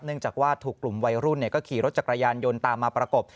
จากว่าถูกกลุ่มวัยรุ่นก็ขี่รถจักรยานยนต์ตามมาประกบ